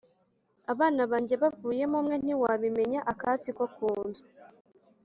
Abana banjye bavuyemo umwe ntiwabimenya-Akatsi ko ku nzu.